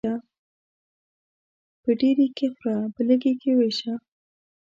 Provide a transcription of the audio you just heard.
په ډيري کې خوره ، په لږي کې ويشه.